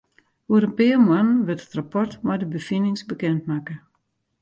Oer in pear moannen wurdt it rapport mei de befinings bekend makke.